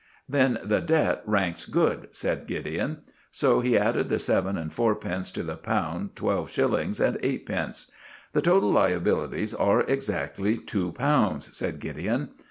"Then the debt ranks good," said Gideon. So he added the seven and fourpence to the one pound twelve shillings and eightpence. "The total liabilities are exactly two pounds," said Gideon.